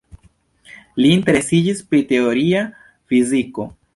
Li interesiĝis pri teoria fiziko.